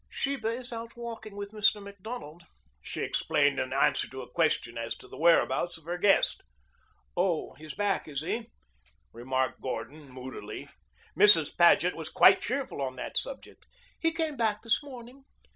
"Sheba is out walking with Mr. Macdonald," she explained in answer to a question as to the whereabouts of her guest. "Oh, he's back, is he?" remarked Gordon moodily. Mrs. Paget was quite cheerful on that subject. "He came back this morning.